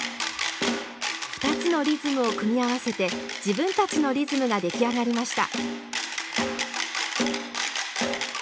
２つのリズムを組み合わせて自分たちのリズムが出来上がりました。